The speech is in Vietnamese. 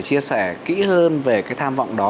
chia sẻ kỹ hơn về cái tham vọng đó